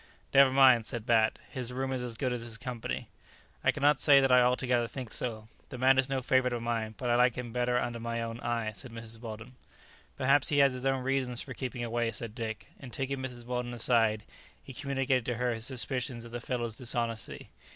"Never mind!" said Bat, "his room is as good as his company." "I cannot say that I altogether think so. The man is no favourite of mine, but I like him better under my own eye," said Mrs. Weldon. "Perhaps he has his own reasons for keeping away," said Dick, and taking Mrs. Weldon aside, he communicated to her his suspicions of the fellow's dishonesty.